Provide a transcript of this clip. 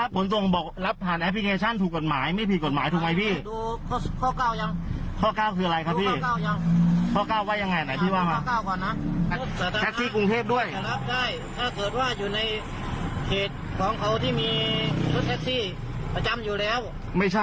พี่มีชกแท็กซี่ประจำอยู่แล้ว